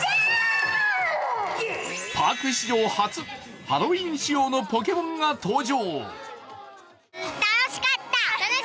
パーク史上初、ハロウィーン仕様のポケモンが登場。